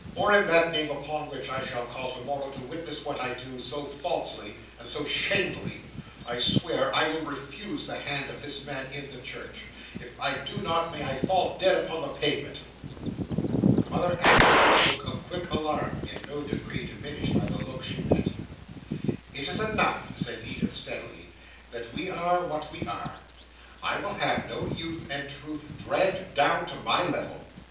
"Or in that name upon which I shall call to morrow to witness what I do, so falsely: and so shamefully, I swear I will refuse the hand of this man in the church. If I do not, may I fall dead upon the pavement!" The mother answered with a look of quick alarm, in no degree diminished by the look she met. "It is enough," said Edith, steadily, "that we are what we are. I will have no youth and truth dragged down to my level.